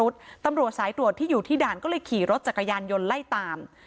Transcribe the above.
ตำรวจสายตรวจที่อยู่ที่ด่านก็เลยขี่รถจักรยานยนต์ไล่ตาม